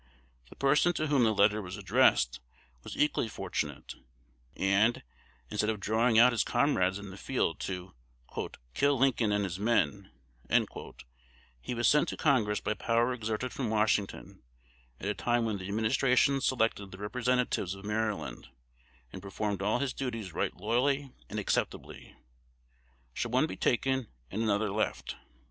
The person to whom the letter was addressed was equally fortunate; and, instead of drawing out his comrades in the field to "kill Lincoln and his men," he was sent to Congress by power exerted from Washington at a time when the administration selected the representatives of Maryland, and performed all his duties right loyally and acceptably. Shall one be taken, and another left?